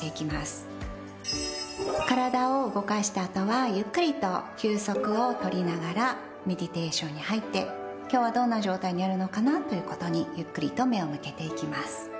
体を動かした後はゆっくりと休息を取りながらメディテーションに入って今日はどんな状態にあるのかなということにゆっくりと目を向けていきます。